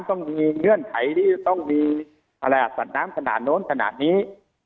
ต้องมีเงื่อนไขที่จะต้องมีสัตว์น้ำขนาดโน้นขนาดนี้